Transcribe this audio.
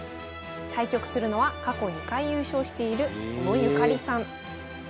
対局するのは過去２回優勝している小野ゆかりさん。